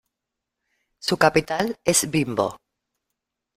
Su capital es Bimbo.